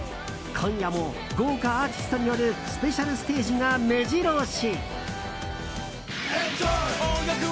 今夜も豪華アーティストによるスペシャルステージが目白押し。